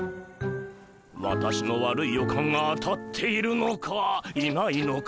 私の悪い予感が当たっているのかいないのか。